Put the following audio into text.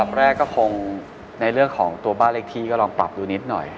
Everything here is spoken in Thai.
แรกก็คงในเรื่องของตัวบ้านเลขที่ก็ลองปรับดูนิดหน่อย